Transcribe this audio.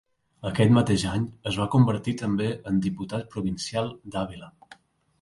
Aquest mateix any, es va convertir també en diputat provincial d'Àvila.